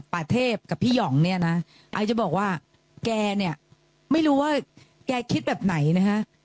ป่าเทพกับพี่หย่องเนี่ยนะไอจะบอกว่าแกเนี่ยไม่รู้ว่าแกคิดแบบไหนนะฮะ